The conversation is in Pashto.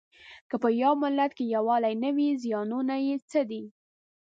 که په یوه ملت کې یووالی نه وي زیانونه یې څه دي؟